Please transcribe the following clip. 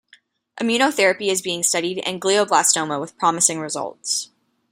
Immunotherapy is being studied in glioblastoma with promising results.